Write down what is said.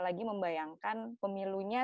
lagi membayangkan pemilunya